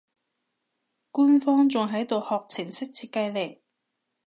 官方仲喺度學程式設計呢